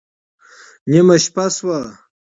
نېمه شپه شوه